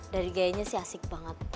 dari gayanya sih asik banget